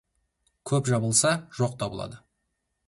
Көп жабылса, жоқ табылады.